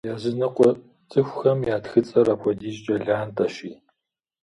Языныкъуэ цӏыхухэм я тхыцӏэр апхуэдизкӏэ лантӏэщи.